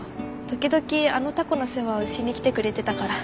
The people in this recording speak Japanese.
時々あのタコの世話をしに来てくれてたから。